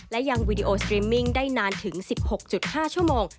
และยังวีดีโอสตรีมมิ้งได้นานถึง๑๖๕ชั่วโมง